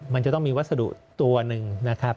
มันจะต้องมีวัสดุตัวหนึ่งนะครับ